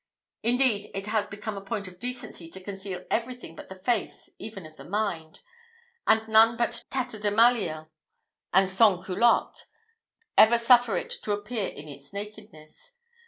Indeed, it has become a point of decency to conceal every thing but the face even of the mind, and none but tatterdemalions and sans culottes ever suffer it to appear in its nakedness.